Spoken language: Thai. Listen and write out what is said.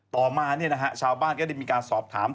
ต่อมาเนี่ยนะฮะชาวบ้านก็ได้มีการสอบถาม